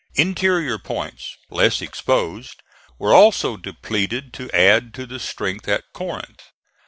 Interior points, less exposed, were also depleted to add to the strength at Corinth.